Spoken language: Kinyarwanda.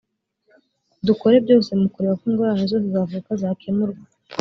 dukore byose mu kureba ko ingorane zose zavuka zakemurwa